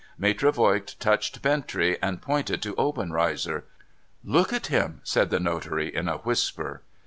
Maitre Voigt touched Bintrey, and pointed to Obenreizer. ' Look at him !' said the notary, in a whisper.